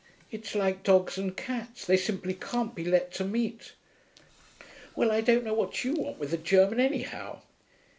It's like dogs and cats; they simply can't be let to meet.' 'Well, I don't know what you want with a German, anyhow.'